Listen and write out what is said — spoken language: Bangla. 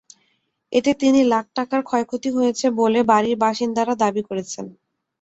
এতে তিন লাখ টাকার ক্ষয়ক্ষতি হয়েছে বলে বাড়ির বাসিন্দারা দাবি করেছেন।